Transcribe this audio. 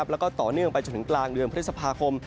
แล้วก็ต่อเนื่องไปจนถึงกลางเดือนพฤษภาคม